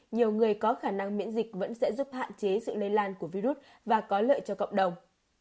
nhiều người có khả năng miễn dịch vẫn sẽ giúp hạn chế sự lây lan của virus và có lợi cho cộng đồng